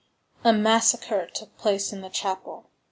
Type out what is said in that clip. A massacre took place in the chapel.